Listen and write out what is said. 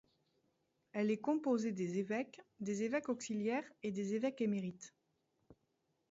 Elle est composée des évêques, des évêques auxiliaires et des évêques émérites.